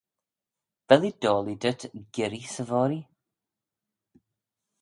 Vel eh doillee dhyt girree 'sy voghree?